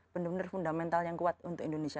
benar benar fundamental yang kuat untuk indonesia